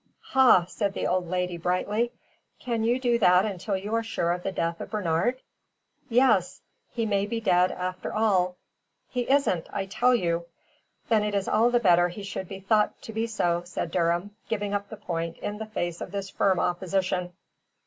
"Ha!" said the old lady, brightly. "Can you do that until you are sure of the death of Bernard?" "Yes. He may be dead after all " "He isn't, I tell you." "Then it is all the better he should be thought to be so," said Durham, giving up the point in the face of this firm opposition.